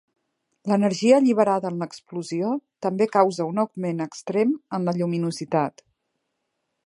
L'energia alliberada en l'explosió també causa un augment extrem en la lluminositat.